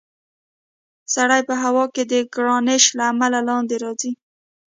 سړی په هوا کې د ګرانش له امله لاندې راځي.